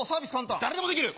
誰でもできる！